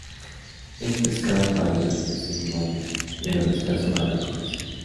Es pescado para alimentación humana, pero de escaso valor comercial.